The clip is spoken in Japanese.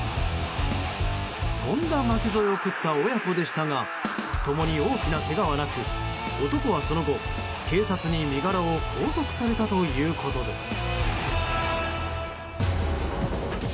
とんだ巻き添えを食った親子でしたが共に大きなけがはなく男は、その後、警察に身柄を拘束されたということです。